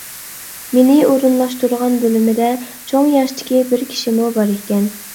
مېنى ئورۇنلاشتۇرغان بۆلمىدە چوڭ ياشتىكى بىر كىشىمۇ بار ئىكەن.